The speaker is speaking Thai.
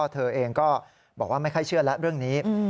เธอเองก็บอกว่าไม่ค่อยเชื่อแล้วเรื่องนี้